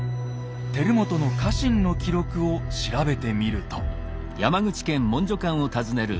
輝元の家臣の記録を調べてみると。